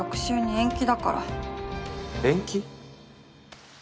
延期？